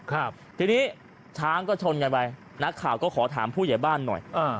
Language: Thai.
ครับทีนี้ช้างก็ชนกันไปนักข่าวก็ขอถามผู้ใหญ่บ้านหน่อยอ่า